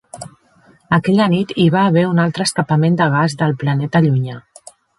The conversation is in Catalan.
Aquella nit, hi va haver un altre escapament de gas del planeta llunyà.